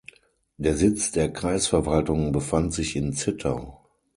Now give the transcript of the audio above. Der Sitz der Kreisverwaltung befand sich in Zittau.